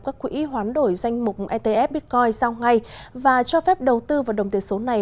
các quỹ hoán đổi doanh mục etf bitcoin sau ngày và cho phép đầu tư vào đồng tiền số này